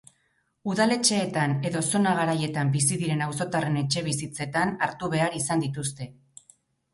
Udaletxeetan edo zona garaietan bizi diren auzotarren etxebizitzetan hartu behar izan dituzte.